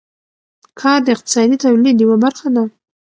کار د اقتصادي تولید یوه برخه ده.